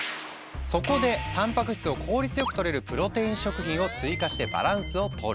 そこでたんぱく質を効率よくとれるプロテイン食品を追加してバランスをとる。